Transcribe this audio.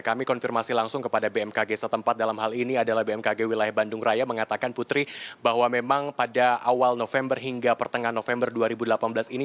kami konfirmasi langsung kepada bmkg setempat dalam hal ini adalah bmkg wilayah bandung raya mengatakan putri bahwa memang pada awal november hingga pertengahan november dua ribu delapan belas ini